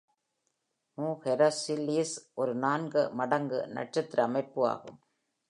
மு ஹெரஸுலிஸ் ஒரு நான்கு மடங்கு நட்சத்திர அமைப்பு ஆகும்.